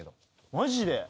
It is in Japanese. マジで？